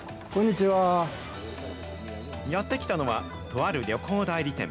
やって来たのは、とある旅行代理店。